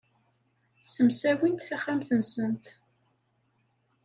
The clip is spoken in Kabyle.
Ssemsawint taxxamt-nsent.